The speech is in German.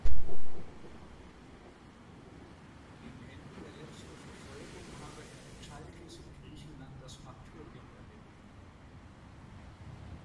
Gegen Ende der letzten Verfolgung habe er in Chalkis in Griechenland das Martyrium erlitten.